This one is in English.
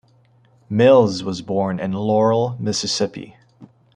Mills was born in Laurel, Mississippi.